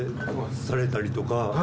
されたりとか。